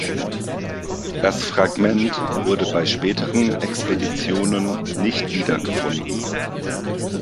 Das Fragment wurde bei späteren Expeditionen nicht wiedergefunden.